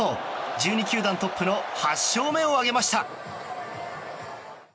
１２球団トップの８勝目を挙げました。